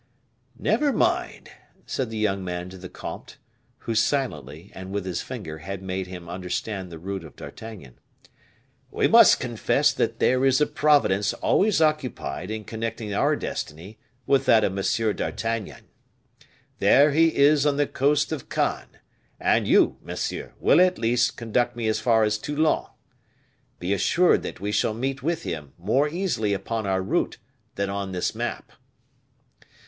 "Never mind," said the young man to the comte, who silently, and with his finger, had made him understand the route of D'Artagnan; "we must confess that there is a Providence always occupied in connecting our destiny with that of M. d'Artagnan. There he is on the coast of Cannes, and you, monsieur, will, at least, conduct me as far as Toulon. Be assured that we shall meet with him more easily upon our route than on this map."